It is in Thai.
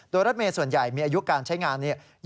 โดยรถเมย์ส่วนใหญ่มีอายุการใช้งานนี้